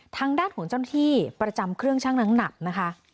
ทางด้านของเจ้าหน้าที่ประจำเครื่องชั่งน้ำหนักนะคะ